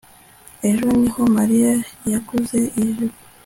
ejo niho mariya yaguze iyi jipo